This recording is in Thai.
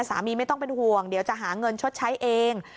ไม่ต้องเป็นห่วงเดี๋ยวจะหาเงินชดใช้เอง